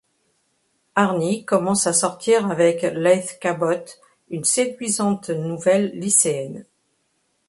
Arnie commence à sortir avec Leigh Cabot, une séduisante nouvelle lycéenne.